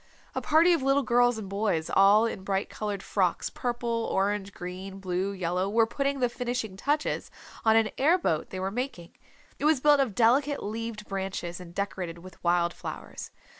A party of little girls and boys all in bright colored frocks, purple, orange, green, blue, yellow, were putting the finishing touches on an air boat they were making. It was built of delicate leaved branches and decorated with wild flowers.